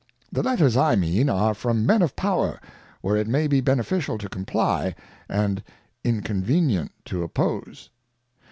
The Letters I mean, are from Men of Power, where it may be beneficial to comply, and inconvenient to oppose.